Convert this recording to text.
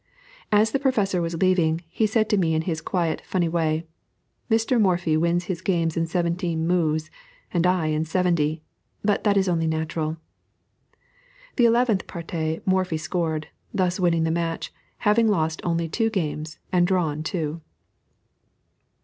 As the Professor was leaving, he said to me in his quiet, funny way, "Mr. Morphy wins his games in Seventeen moves, and I in Seventy. But that is only natural." The eleventh partie Morphy scored, thus winning the match; having only lost two games and drawn two.